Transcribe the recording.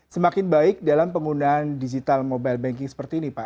semakin baik dalam penggunaan digital mobile banking seperti ini pak